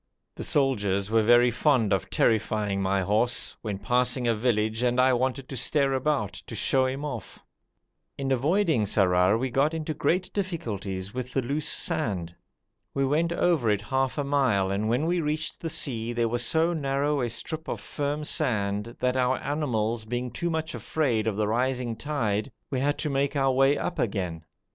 The soldiers were very fond of terrifying my horse, when passing a village and I wanted to stare about, to show him off. In avoiding Sarrar we got into great difficulties with the loose sand. We went over it half a mile, and when we reached the sea there was so narrow a strip of firm sand that, our animals being too much afraid of the rising tide, we had to make our way up again.